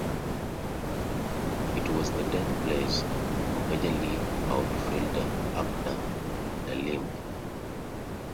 It was the death place of former major league outfielder Abner Dalrymple.